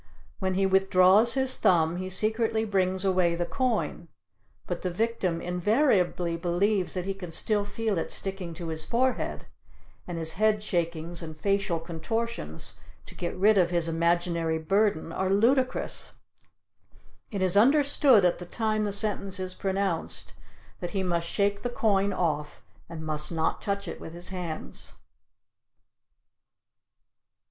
When he withdraws his thumb he secretly brings away the coin, but the victim invariably believes that he can still feel it sticking to his forehead, and his head shakings and facial contortions to get rid of his imaginary burden are ludicrous. It is understood at the time the sentence is pronounced that he must shake the coin off and must not touch it with his hands.